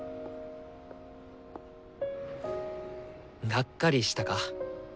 がっかりしたか？